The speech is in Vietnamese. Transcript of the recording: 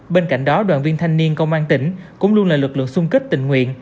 bên cạnh đó đoàn viên thanh niên công an tỉnh cũng luôn là lực lượng xung kích tình nguyện